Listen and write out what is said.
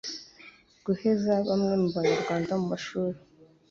guheza bamwe mu Banyarwanda mu mashuri